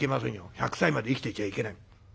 １００歳まで生きてちゃいけない。